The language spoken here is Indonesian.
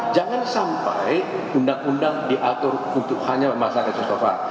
jangan sampai undang undang diatur untuk hanya masyarakat yang so far